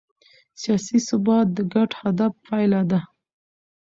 سیاسي ثبات د ګډ هدف پایله ده